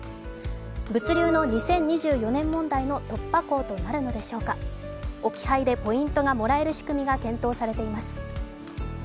物流の２０２４年問題の突破口となるのでしょうか置き配でポイントがもらえる仕組みが検討されています。